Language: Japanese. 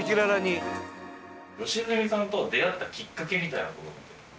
良純さんと出会ったきっかけみたいな事って。